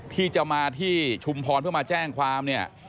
ที่จะมาที่ชุมพรเพื่อมาแจ้งความเนี่ย